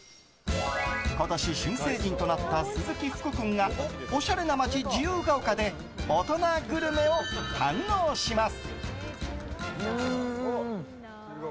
今年、新成人となった鈴木福君がおしゃれな街・自由が丘で大人グルメを堪能します。